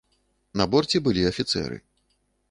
На борце былі афіцэры.